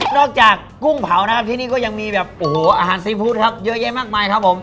นอกจากกุ้งเผานะครับที่นี่ก็ยังมีอาหารซีฟู้ดเยอะแยะมากมายครับ